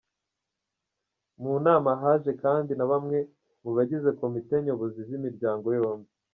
Mu nama haje kandi na bamwe mu bagize komite nyobozi z’imiryango yombi.